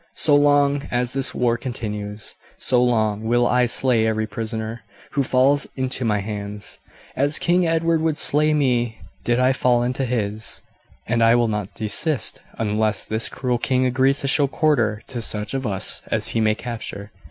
So long as this war continues, so long will I slay every prisoner who falls into my hands, as King Edward would slay me did I fall into his; and I will not desist unless this cruel king agrees to show quarter to such of us as he may capture.